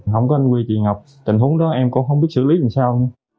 không có anh huy chị ngọc tình huống đó em cũng không biết xử lý làm sao